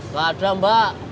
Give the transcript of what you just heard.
gak ada mbak